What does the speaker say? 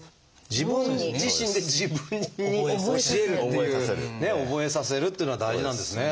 自分自身で自分に教えるっていうね覚えさせるっていうのが大事なんですね。